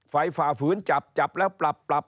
ฝ่าฝืนจับจับแล้วปรับปรับ